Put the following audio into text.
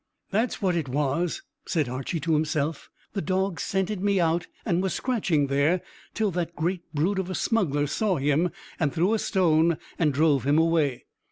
"That's what it was," said Archy to himself. "The dog scented me out, and was scratching there till that great brute of a smuggler saw him, and threw a stone and drove him away.